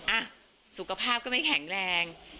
อ่ะสุขภาพก็ไม่แข็งแรง